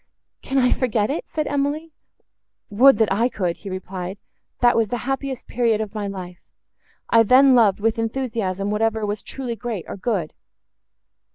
"Can I forget it?" said Emily.—"Would that I could!" he replied;—"that was the happiest period of my life. I then loved, with enthusiasm, whatever was truly great, or good."